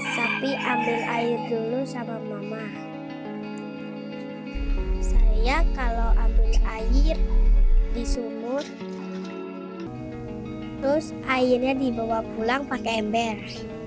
tapi ambil air dulu sama mama saya kalau ambil air di sumur terus airnya dibawa pulang pakai ember